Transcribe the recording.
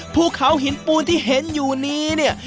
ภูเขาหินปูนที่เห็นอยู่นี้เนี่ย